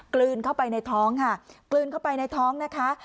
ลืนเข้าไปในท้องค่ะกลืนเข้าไปในท้องนะคะ